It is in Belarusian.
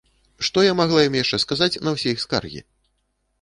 Што я магла ім яшчэ сказаць на ўсе іх скаргі?